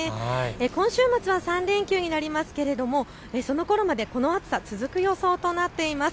今週末は３連休になりますけれどもそのころまでこの暑さ続く予想となっています。